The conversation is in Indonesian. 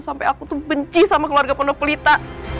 sampai aku tuh benci sama keluarga penopelita